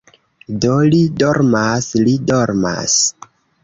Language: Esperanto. Do li dormas, li dormas